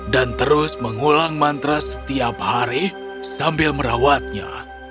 dan terus mengulang mantra setiap hari sambil merawatnya